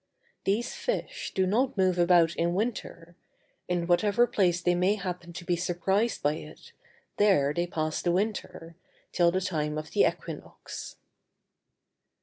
These fish do not move about in winter; in whatever place they may happen to be surprised by it, there they pass the winter, till the time of the equinox.